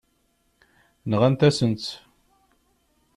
Nɣant-asen-tt.